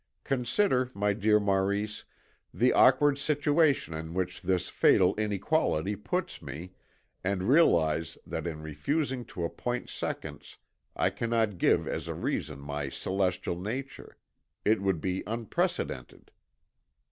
Consider, my dear Maurice, the awkward situation in which this fatal inequality puts me, and realise that in refusing to appoint seconds I cannot give as a reason my celestial nature, it would be unprecedented."